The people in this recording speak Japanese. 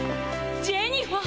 ジェニファー。